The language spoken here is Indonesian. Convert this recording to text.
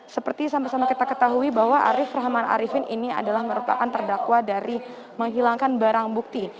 seperti sama sama kita ketahui bahwa arief rahman arifin ini adalah merupakan terdakwa dari menghilangkan barang bukti